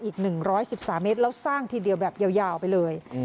อีก๑๑๓เมตรแล้วสร้างทีเดียวแบบยาวไปเลย